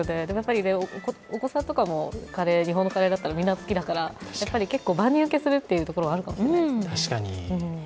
お子さんとかも日本のカレーだったらみんな好きだから、結構万人受けするというところがあるかもしれないですね。